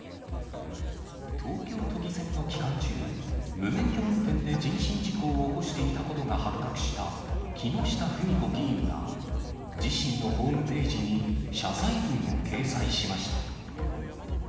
東京都議選の期間中、無免許運転で人身事故を起こしていたことが発覚した木下富美子議員が、自身のホームページに謝罪文を掲載しました。